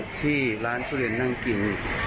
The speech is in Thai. ที่ร้านทุเรียนนั่งกิน